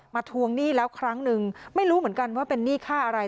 ทวงหนี้แล้วครั้งนึงไม่รู้เหมือนกันว่าเป็นหนี้ค่าอะไร